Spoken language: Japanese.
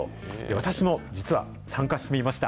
私も実は、参加してみました。